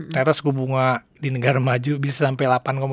ternyata suku bunga di negara maju bisa sampai delapan